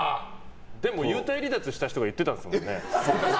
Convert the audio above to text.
でも幽体離脱した人が言ってたんですよね？